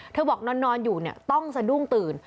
เธอบอกนอนอยู่เนี่ยต้องสะดุ้งตื่น